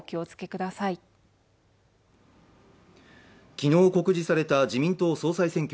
昨日告示された自民党総裁選挙。